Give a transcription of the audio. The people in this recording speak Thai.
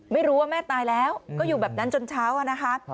ไม่รู้ว่าแม่ตายแล้วก็อยู่แบบนั้นจนเช้าอะนะคะ